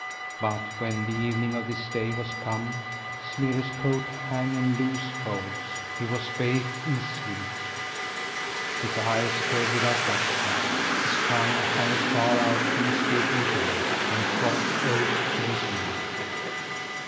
But when the evening of this day was come, Smirre's coat hung in loose folds. He was bathed in sweat; his eyes were without lustre; his tongue hung far out from his gaping jaws; and froth oozed from his mouth.